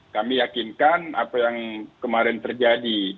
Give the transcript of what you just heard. kami yakinkan apa yang kemarin terjadi